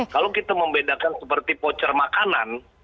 kalau kita membedakan seperti pocer makanan